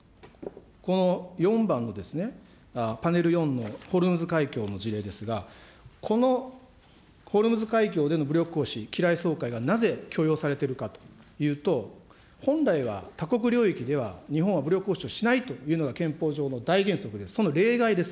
この４番の、パネル４のホルムズ海峡の事例ですが、このホルムズ海峡での武力行使、機雷掃海がなぜ許容されているかというと、本来は、他国領域では日本は武力行使をしないというのが憲法上の大原則で、その例外です。